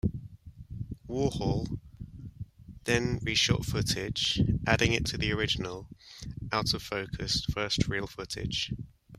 Warhol then reshot footage, adding it to the original, out-of-focus first reel footage.